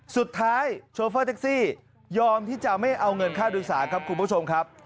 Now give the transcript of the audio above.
สุดท้ายโชเฟอร์แท็กซี่ยอมที่จะไม่เอาเงินค่าโดยสารครับ